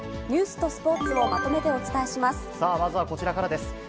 ニュースとスポーツをまとめておさあ、まずはこちらからです。